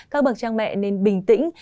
các bậc trang mẹ nên bình tĩnh